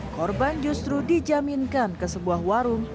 korban justru dijaminkan ke sebuah warung